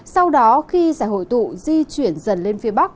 sau đó khi giải hội tụ di chuyển dần lên phía bắc